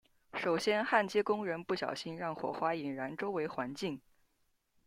首先焊接工人不小心让火花引燃周围环境。